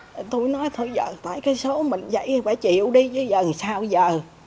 thôi tôi nói thôi giờ tại cái số mình vậy thì phải chịu đi chứ giờ sao giờ